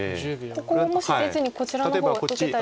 ここをもし出ずにこちらの方を受けたりすると。